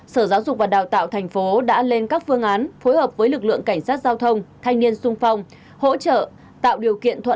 sở giáo dục và đào tạo thành phố đã lên các phương án phối hợp với lực lượng cảnh sát giao thông thanh niên sung phong hỗ trợ